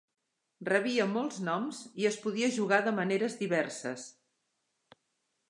Rebia molts noms i es podia jugar de maneres diverses.